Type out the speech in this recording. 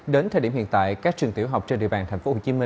đến thời điểm hiện tại các trường tiểu học trên địa bàn tp hcm